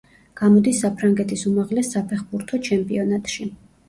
გამოდის საფრანგეთის უმაღლეს საფეხბურთო ჩემპიონატში.